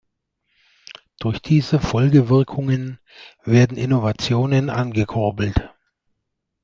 Durch diese Folgewirkungen werden Innovationen angekurbelt.